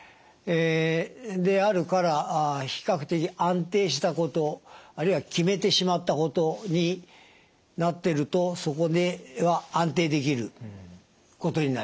であるから比較的安定したことあるいは決めてしまったことになってるとそこでは安定できることになります。